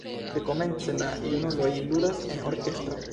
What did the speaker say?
Dekomence la junuloj ludas en orkestro.